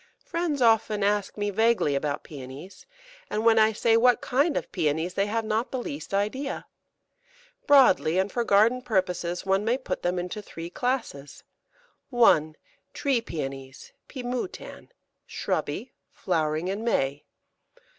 Friends often ask me vaguely about Pæonies, and when I say, "What kind of Pæonies?" they have not the least idea. Broadly, and for garden purposes, one may put them into three classes 1. Tree Pæonies (P. moutan), shrubby, flowering in May.